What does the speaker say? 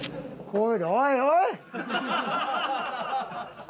おいおい！